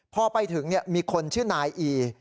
พอไปถึงมีคนชื่อนายอี